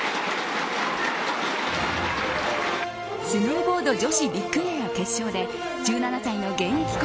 スノーボード女子ビッグエア決勝で１７歳の現役